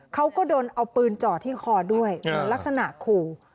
เขาก็โดนเอาปืนจ่อที่คอด้วยเหมือนลักษณะขู่